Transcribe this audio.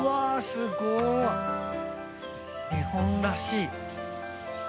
すごい！日本らしい。